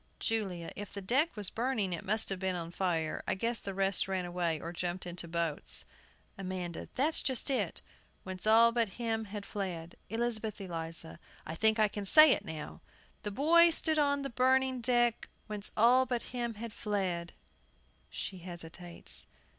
JULIA. If the deck was burning, it must have been on fire. I guess the rest ran away, or jumped into boats. AMANDA. That's just it: "Whence all but him had fled." ELIZABETH ELIZA. I think I can say it now. "The boy stood on the burning deck, Whence all but him had fled " [She hesitates.